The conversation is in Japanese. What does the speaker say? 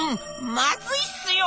まずいっすよ」。